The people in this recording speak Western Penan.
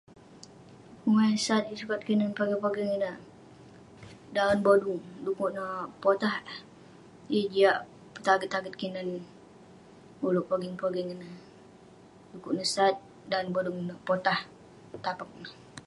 Penguman eh sat yeng sukat kinan pogeng pogeng ineh ; daon bodung. Dekuk neh potah eh. Yeng eh jiak petaget taget kinan ulouk pogeng pogeng ineh. Dekuk neh sat daon bodung ineh, potah [unintelligible]